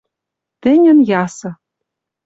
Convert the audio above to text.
Тӹньӹн ясы —